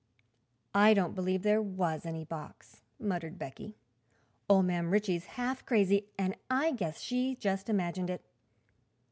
"I don't believe there was any box," muttered Becky. "Ol' Mam Ritchie's half crazy, an' I guess she just imagined it."